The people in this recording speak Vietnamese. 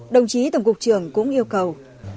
đồng chí tổng cục trưởng cũng yêu cầu